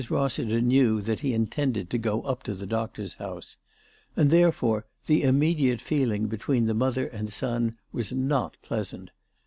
Rossiter knew that he intended to go up to the doctor's house, and therefore the immediate feeling between the mother and son was not pleasant.